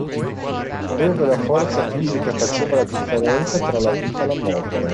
Dove la forza fisica faceva la differenza tra la vita e la morte.